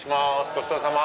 ごちそうさま。